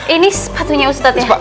ini sepatunya ustaz ya